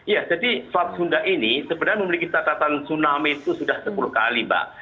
ya jadi selat sunda ini sebenarnya memiliki catatan tsunami itu sudah sepuluh kali mbak